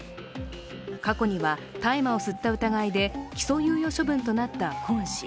過去には大麻を吸った疑いで起訴猶予処分となったクォン氏。